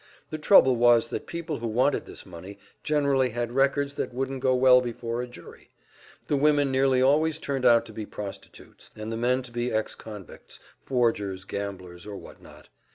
The trouble was that people who wanted this money generally had records that wouldn't go well before a jury; the women nearly always turned out to be prostitutes, and the men to be ex convicts, forgers, gamblers, or what not.